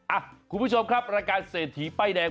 อ่ะคุณผู้ชมครับรายการเศรษฐีป้ายแดง